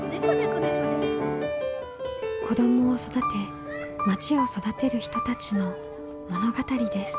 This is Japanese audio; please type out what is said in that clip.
子どもを育てまちを育てる人たちの物語です。